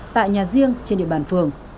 tại nhà riêng trên địa bàn phường